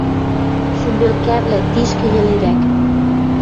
«Шӱмбелкӓвлӓ, тишкӹ йӹлерӓк!»